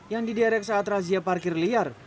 yang diderek saat razia parkir liar